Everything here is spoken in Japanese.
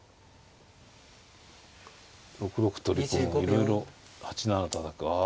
６六取り込むいろいろ８七たたくあ